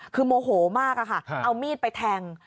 คือโมโหมากอะครับละเอามีดไปแทง